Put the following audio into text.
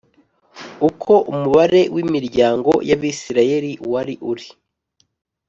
uko umubare w’imiryango y Abisirayeli wari uri